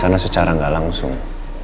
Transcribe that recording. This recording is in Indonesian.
karena secara gak langsung